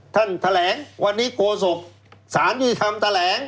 ท่านแถลงวันนี้โฆษกสารยุติธรรมแถลง